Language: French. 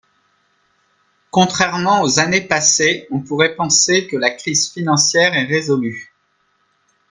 Contrairement aux années passées, on pourrait penser que la crise financière est résolue.